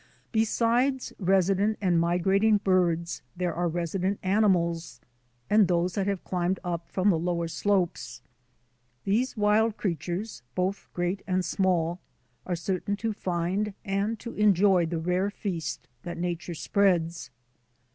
Besides resident and migrating birds there are resident animals, and those that have climbed up from the lower slopes. These wild creatures, 98 THE ADVENTURES OF A NATURE GUIDE both great and small, are certain to find and to enjoy the rare feast that Nature spreads.